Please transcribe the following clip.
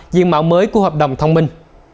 diện mạo mới của hợp đồng thông minh